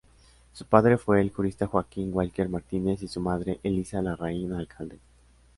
Su padre fue el jurista Joaquín Walker Martínez y su madre, Elisa Larraín Alcalde.